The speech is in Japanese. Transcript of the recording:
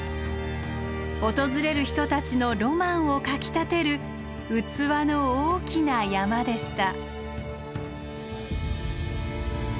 訪れる人たちのロマンをかきたてる器の大きな山でした。